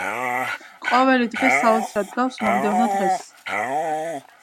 ყოველი დღე საოცრად გავს მომდევნო დღეს.